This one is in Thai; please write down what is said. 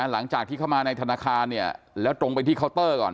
หลังจากที่เข้ามาในธนาคารเนี่ยแล้วตรงไปที่เคาน์เตอร์ก่อน